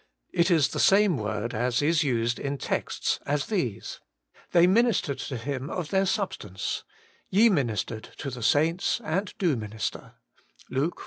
It is the same word as is used in texts as these :* They ministered to Him of their substance ;'' Ye ministered to the saints and do minister ' (Luke iv.